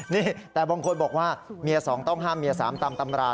นี่แต่บางคนบอกว่าเมีย๒ต้องห้ามเมีย๓ตามตำรา